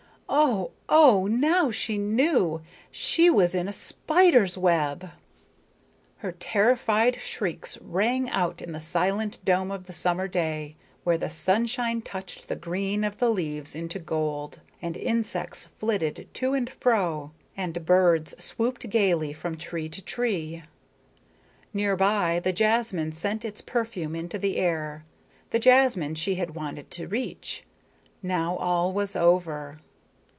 Oh oh, now she knew! She was in a spider's web. Her terrified shrieks rang out in the silent dome of the summer day, where the sunshine touched the green of the leaves into gold, and insects flitted to and fro, and birds swooped gaily from tree to tree. Nearby, the jasmine sent its perfume into the air the jasmine she had wanted to reach. Now all was over.